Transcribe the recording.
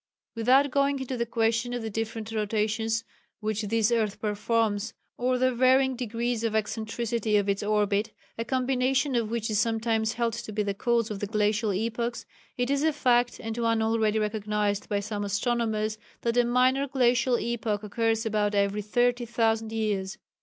Without going into the question of the different rotations which this earth performs, or the varying degrees of eccentricity of its orbit, a combination of which is sometimes held to be the cause of the glacial epochs, it is a fact and one already recognized by some astronomers that a minor glacial epoch occurs about every 30,000 years.